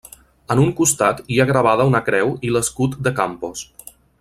En un costat hi ha gravada una creu i l'escut de Campos.